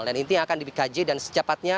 dan intinya akan dikaji dan secepatnya